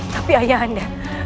tapi ayah anda